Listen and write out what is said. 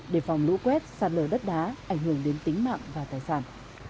đề phòng lũ quét sạt lở đất đá ảnh hưởng đến tính mạng và tài sản